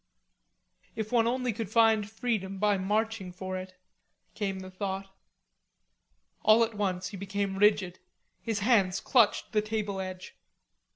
If one could only find freedom by marching for it, came the thought. All at once he became rigid, his hands clutched the table edge.